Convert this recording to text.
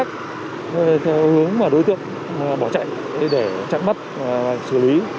theo hướng mà đối tượng bỏ chạy để chặn bắt xử lý